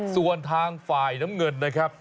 ส่วนทางฝ่ายน้ำเงิน